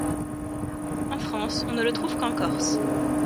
En France on ne le trouve qu'en Corse.